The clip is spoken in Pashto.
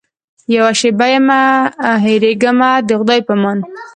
یوه شېبه یمه هېرېږمه د خدای په امان.